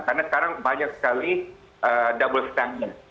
karena sekarang banyak sekali double standard